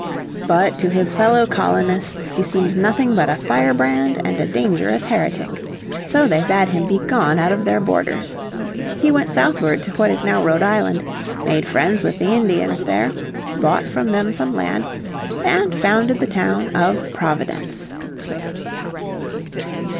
But to his fellow colonists he seemed nothing but a firebrand and a dangerous heretic. So they bade him be gone out of their borders. He went southward to what is now Rhode Island, made friends with the Indians there, bought from them some land, and founded the town of Providence.